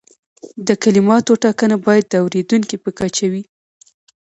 د کلماتو ټاکنه باید د اوریدونکي په کچه وي.